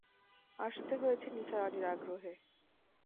আসতে হয়েছে নিসার আলির আগ্রহে।